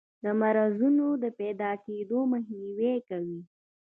د مرضونو د پیداکیدو مخنیوی کوي.